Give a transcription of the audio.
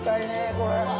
これ。